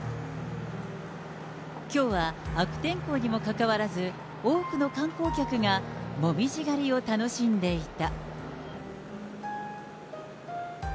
きょうは悪天候にもかかわらず、多くの観光客が紅葉狩りを楽しんでいた。